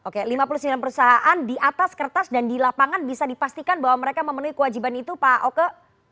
oke lima puluh sembilan perusahaan di atas kertas dan di lapangan bisa dipastikan bahwa mereka memenuhi kewajiban itu pak oke